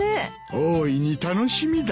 大いに楽しみだ。